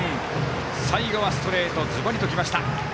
最後はストレートずばりときました。